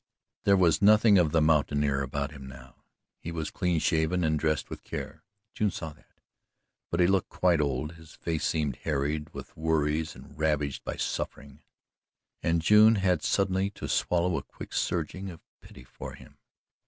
There was nothing of the mountaineer about him now. He was clean shaven and dressed with care June saw that but he looked quite old, his face seemed harried with worries and ravaged by suffering, and June had suddenly to swallow a quick surging of pity for him.